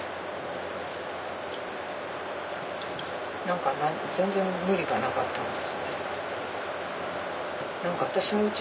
何か全然無理がなかったんですね。